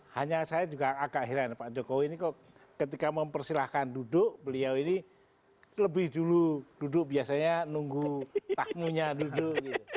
hanya saya juga agak heran pak jokowi ini kok ketika mempersilahkan duduk beliau ini lebih dulu duduk biasanya nunggu takmunya duduk